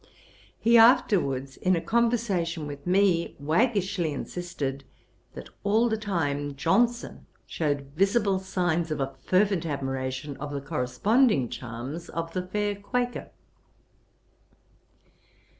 He afterwards, in a conversation with me, waggishly insisted, that all the time Johnson shewed visible signs of a fervent admiration of the corresponding charms of the fair Quaker.